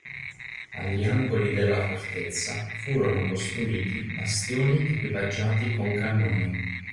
Agli angoli della fortezza furono costruiti bastioni equipaggiati con cannoni.